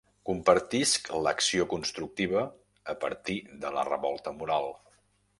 Compartisc l'acció constructiva a partir de la revolta moral.